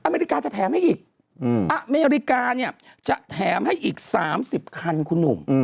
อเมริกาจะแถมให้อีกอเมริกาเนี่ยจะแถมให้อีก๓๐คันคุณหนุ่ม